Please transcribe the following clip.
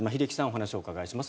お話をお伺いします。